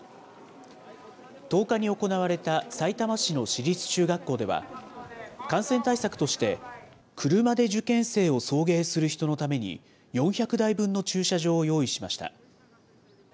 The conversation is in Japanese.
１０日に行われたさいたま市の私立中学校では、感染対策として、車で受験生を送迎する人のために、４００台分の駐車場を用意しました。